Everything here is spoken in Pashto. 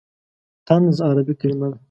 طنز عربي کلمه ده.